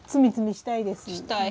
したい。